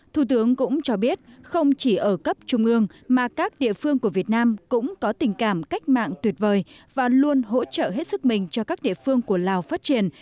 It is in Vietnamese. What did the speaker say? thủ tướng cũng cho biết không chỉ ở cấp trung ương mà các địa phương của việt nam cũng có tình cảm cách mạng tuyệt vời và luôn hỗ trợ hết sức mình cho các địa phương của lào phát triển